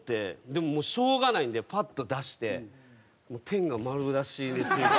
でももうしょうがないんでパッと出してＴＥＮＧＡ丸出しで。